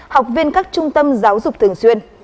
học viên các trung tâm giáo dục thường xuyên